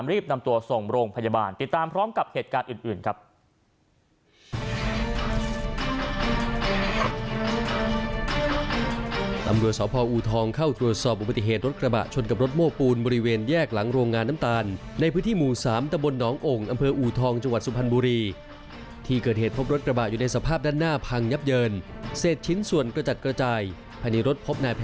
รีบนำตัวส่งโรงพยาบาลติดตามพร้อมกับเหตุการณ์อื่นครับ